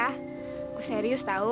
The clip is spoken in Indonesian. saya serius tahu